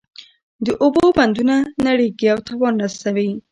د اوبو بندونه نړیږي او تاوان رسوي.